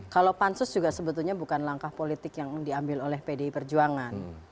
kalau pansus juga sebetulnya bukan langkah politik yang diambil oleh pdi perjuangan